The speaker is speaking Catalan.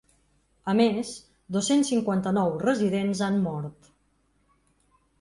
A més, dos-cents cinquanta-nou residents han mort.